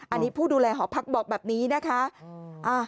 อันนี้ผู้ดูแลหอพักบอกแบบนี้นะคะ